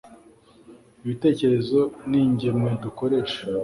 ibitekerezo ningemwe dukoresha